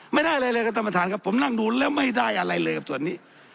ไม่ได้อะไรเลยครับท่านประธานครับผมนั่งดูแล้วไม่ได้อะไรเลยครับส่วนนี้